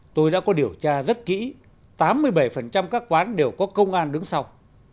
tôi đã có điều tra rất kỹ tám mươi bảy các quán đều có công an đứng sau